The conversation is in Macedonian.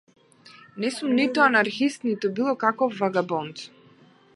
Не сум ниту анархист ниту било каков вагабонт.